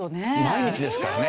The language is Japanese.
毎日ですからね。